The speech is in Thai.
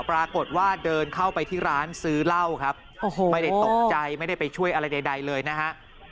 ปรากฏว่าเดินเข้าไปที่ร้านซื้อเหล้าครับโอ้โหไม่ได้ตกใจไม่ได้ไปช่วยอะไรใดเลยนะฮะ